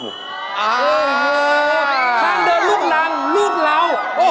ทางเดินลูกรังลูกเรา